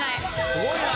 すごいな！